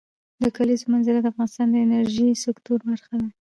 د کلیزو منظره د افغانستان د انرژۍ سکتور برخه ده.